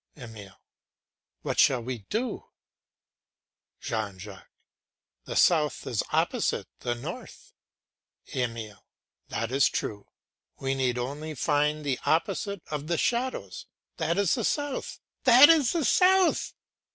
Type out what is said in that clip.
EMILE. What shall we do? JEAN JACQUES. The south is opposite the north. EMILE. That is true; we need only find the opposite of the shadows. That is the south! That is the south!